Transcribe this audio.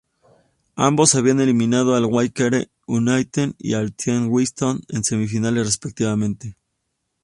Ambos habían eliminado al Waitakere United y al Team Wellington en semifinales, respectivamente.